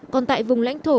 còn tại vùng lãnh thổ